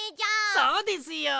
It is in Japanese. そうですよ。